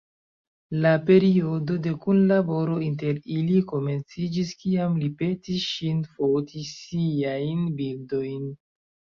La periodo de kunlaboro inter ili komenciĝis kiam li petis ŝin foti siajn bildojn.